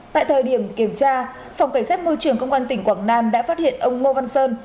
tại thời điểm kiểm tra phòng cảnh sát môi trường công an tỉnh quảng nam đã phát hiện ông ngô văn sơn